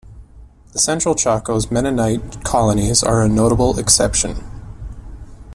The central Chaco's Mennonite colonies are a notable exception.